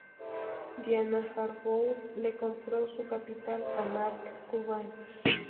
Diana Harbour le compró su capital a Mark Cuban.